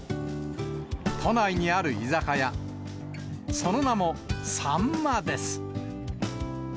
都内にある居酒屋、その名も、秋刀魚です。